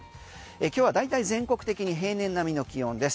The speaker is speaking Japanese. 今日は大体全国的に平年並みの気温です。